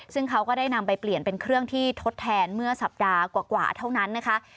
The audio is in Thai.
ซึ่งเขาก็ได้นำไปเปลี่ยนเป็นเครื่องที่ทดแทนเมื่อสัปดาห์กว่าเท่านั้นนะคะ